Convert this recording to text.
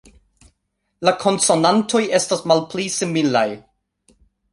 La konsonantoj estas malpli similaj